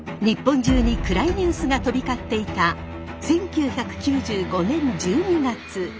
日本中に暗いニュースが飛び交っていた１９９５年１２月。